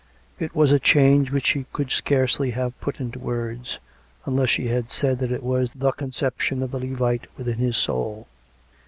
It was a change which she could scarcely have put into words, unless she had said that it was the conception of the Levite within his soul.